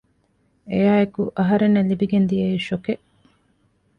އެއާއެކު އަހަރެންނަށް ލިބިގެން ދިޔައީ ޝޮކެއް